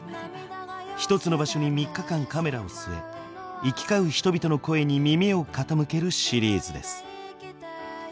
一つの場所に３日間カメラを据え行き交う人々の声に耳を傾けるシリーズです。